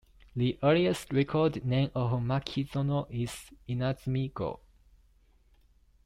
The earliest recorded name of Makizono, is Inazumi-go.